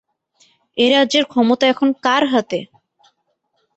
এ রাজ্যের ক্ষমতা এখন কার হাতে?